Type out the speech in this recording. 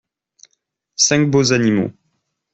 Cinq beaux animaux.